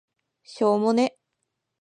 しょーもね